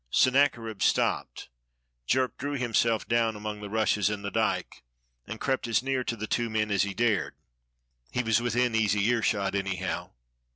Sennacherib stopped. Jerk drew himself down among the rushes in the dyke and crept as near to the two men as he dared; he was within easy earshot, anyhow.